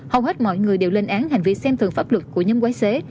hầu hết mọi người đều lên án hành vi xem thường pháp luật của nhóm quái xế